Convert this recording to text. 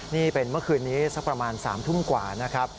นี่เป็นเมื่อคืนนี้สักประมาณ๓ทุ่มกว่านะครับ